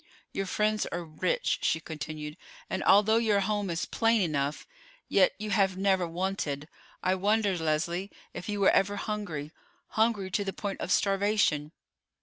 "Your friends are rich," she continued. "And although your home is plain enough, yet you have never wanted. I wonder, Leslie, if you were ever hungry, hungry to the point of starvation."